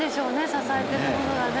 支えてるものがね。